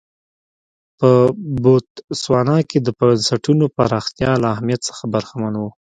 په بوتسوانا کې د بنسټونو پراختیا له اهمیت څخه برخمن و.